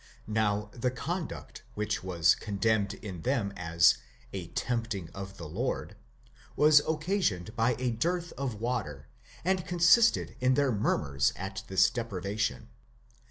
Now the conduct which was condemned in them as a éempting of the Lord, éxrapalew Κύριον, was occasioned by a dearth of water, and consisted in their murmurs at this deprivation.